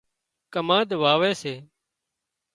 ڪمانڌ واوي سي